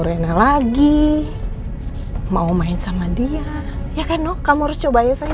rena lagi mau main sama dia ya kan no kamu harus coba ya sayang